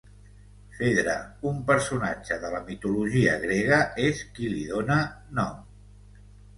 Fedra, un personatge de la mitologia grega és qui li dóna nom.